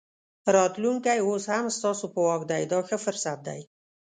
راتلونکی اوس هم ستاسو په واک دی دا ښه فرصت دی.